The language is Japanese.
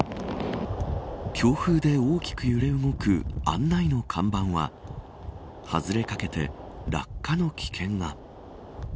強風で大きく揺れ動く案内の看板は外れかけて落下の危険が。